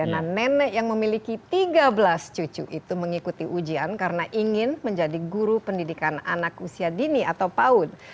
nenek yang memiliki tiga belas cucu itu mengikuti ujian karena ingin menjadi guru pendidikan anak usia dini atau paud